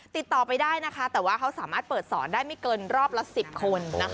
ติดต่อไปได้นะคะแต่ว่าเขาสามารถเปิดสอนได้ไม่เกินรอบละ๑๐คน